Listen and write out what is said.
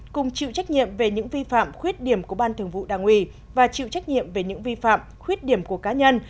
cùng chịu trách nhiệm về những vi phạm khuyết điểm của ban thường vụ đảng ủy và chịu trách nhiệm về những vi phạm khuyết điểm của cá nhân